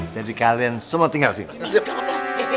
jadi kalian semua tinggal disini